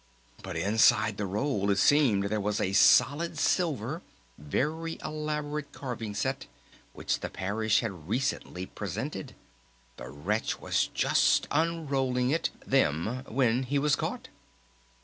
But inside the roll it seemed there was a solid silver very elaborate carving set which the Parish had recently presented. The wretch was just unrolling it, them, when he was caught."